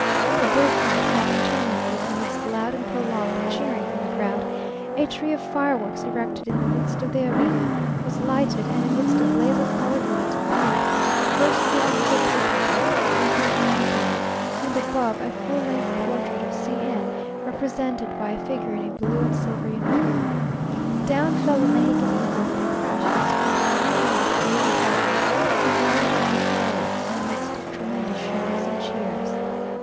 The bull fight having terminated amidst loud and prolonged cheering from the crowd, a tree of fireworks, erected in the midst of the arena, was lighted, and amidst a blaze of coloured light, appeared, first the Arms of the Republic, the Eagle and Nopal; and above, a full length portrait of C n! represented by a figure in a blue and silver uniform. Down fell the Mexican eagle with a crash at his feet, while he remained burning brightly, and lighted up by fireworks, in the midst of tremendous shouts and cheers.